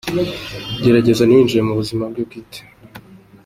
Gerageza ntiwingire mu buzima bwe bwite